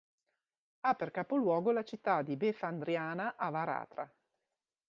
Ha per capoluogo la città di Befandriana-Avaratra.